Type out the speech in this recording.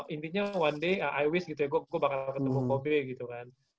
intinya one day is gitu ya gue bakal ketemu kobe gitu kan